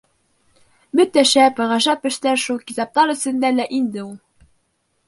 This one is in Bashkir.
Бөтә шәп, ғәжәп эштәр шул китаптар эсендә лә инде ул!